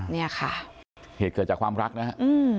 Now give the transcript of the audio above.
เนี่ยค่ะเหตุเกิดจากความรักนะฮะอืม